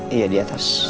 iya di atas